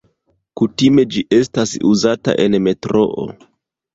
Kutime ĝi estas uzata en metroo.